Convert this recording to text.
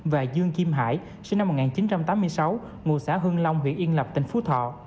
và dương kim hải sinh năm một nghìn chín trăm tám mươi sáu ngụ xã hưng long huyện yên lập tỉnh phú thọ